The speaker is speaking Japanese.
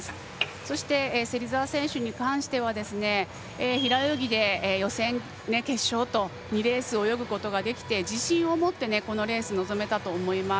そして芹澤選手に関しては平泳ぎで予選、決勝と２レース泳ぐことができて自信を持ってこのレースに臨めたと思います。